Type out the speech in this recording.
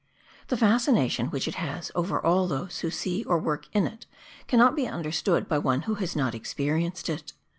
The fascination which it has over all those who see or work in it cannot be understood by one who has not experienced it.